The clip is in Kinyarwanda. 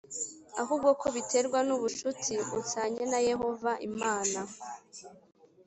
ahubwo ko biterwa n ubucuti u tanye na Yehova Imana